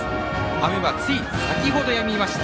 雨はつい先ほどやみました。